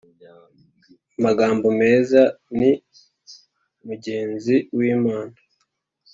amagambo meza ni mugenzi w'Imana